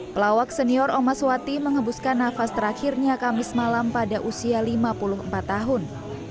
pelawak senior omas wati mengebuskan nafas terakhirnya kamis malam pada usia lima puluh empat tahun